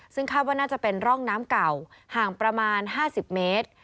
ซึ่งคาดว่าน่าจะเป็นร่องน้ำเก่าห่างประมาณ๕๐เมตร